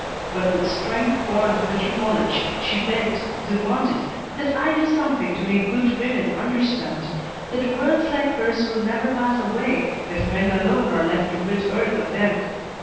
But with strength born of bitter knowledge she begged, demanded, that I do something to make good women understand that worlds like hers will never pass away if men alone are left to rid earth of them.